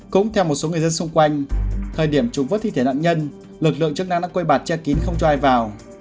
cũng theo một số người dân xung quanh thời điểm trùng vớt thi thể nạn nhân lực lượng chức năng đã quây bạt che kín không cho ai vào